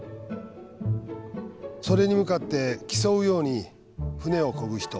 「それに向かって競うように船をこぐ人泳ぐ人の群れ！